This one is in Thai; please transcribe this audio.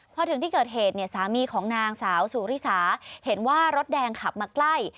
พอถึงที่เกิดเหตุเนี่ยสามีของนางสาวสุริสาเห็นว่ารถแดงขับมาใกล้